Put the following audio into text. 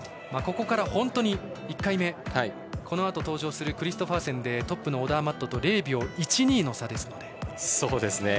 ここから本当に１回目このあと登場するクリストファーセンでトップのオダーマットと０秒１２の差ですので。